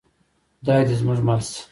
خدای دې زموږ مل شي؟